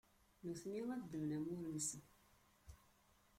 nutni ad ddmen amur-nsen.